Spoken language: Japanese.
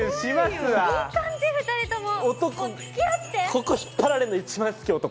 ここ引っ張られるの一番好き男。